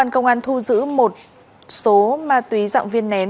công an thu giữ một số ma túy dạng viên nén